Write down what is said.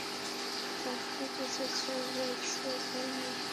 সাক্ষী প্রফেসর রাজ ভার্মা।